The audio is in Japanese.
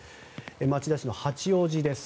町田市の八王子です。